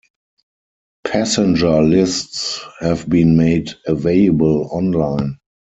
Passenger lists have been made available online.